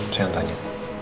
saya yang tanya